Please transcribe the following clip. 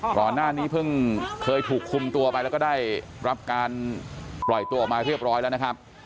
ก่อนหน้านี้เพิ่งเคยถูกคุมตัวไปแล้วก็ได้รับการปล่อยตัวออกมาเรียบร้อยแล้วนะครับ